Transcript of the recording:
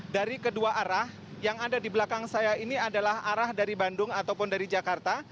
dari kedua arah yang ada di belakang saya ini adalah arah dari bandung ataupun dari jakarta